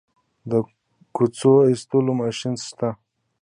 د کوچو ایستلو ماشین شته؟